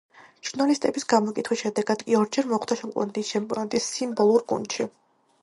ჟურნალისტების გამოკითხვის შედეგად კი ორჯერ მოხვდა შოტლანდიის ჩემპიონატის სიმბოლურ გუნდში.